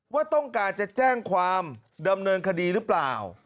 ว่าต้องการจะแจ้งความดำเนินคดีหรือเปล่า